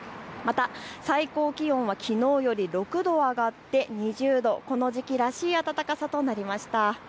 最高気温はきのうより６度上がって２０度、この時期らしい暖かさとなりました。